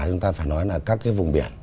chúng ta phải nói là các vùng biển